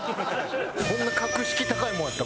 そんな格式高いものやった？